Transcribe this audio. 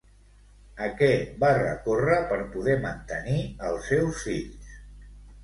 A què va recórrer per poder mantenir als seus fills?